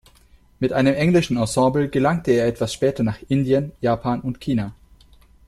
Mit einem englischen Ensemble gelangte er etwas später nach Indien, Japan und China.